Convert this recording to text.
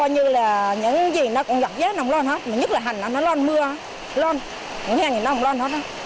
như là những gì nó cũng gặp giá nồng lon hết nhất là hành nó lon mưa lon những hành nó nồng lon hết